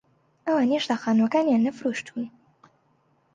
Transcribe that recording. ئەوان هێشتا خانووەکانیان نەفرۆشتوون.